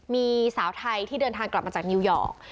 มีสาวไทยที่เดินทางกลับมาจากนิวยอร์ก